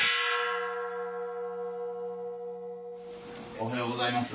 おはようございます。